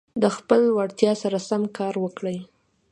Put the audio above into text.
د خپلي وړتیا سره سم کار وکړئ.